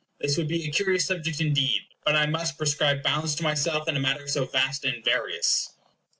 This would be a curious subject indeed; but I must prescribe bounds to myself in a matter so vast and various.